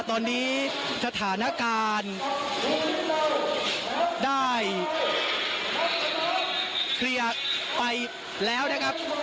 ตอนนี้สถานการณ์ได้เคลียร์ไปแล้วนะครับ